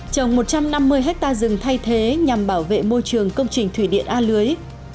trồng một trăm năm mươi hectare rừng thay thế nhằm bảo vệ môi trường công trình thủy điện a lưới